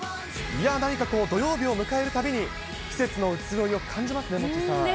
何かこう、土曜日を迎えるたびに、季節の移ろいを感じますね、モッチーさん。